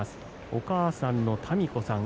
お母さんの多美子さん